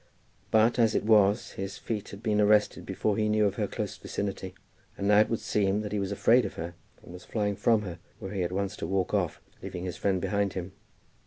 But as it was, his feet had been arrested before he knew of her close vicinity, and now it would seem that he was afraid of her, and was flying from her, were he at once to walk off, leaving his friend behind him.